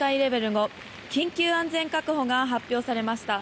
５緊急安全確保が発表されました。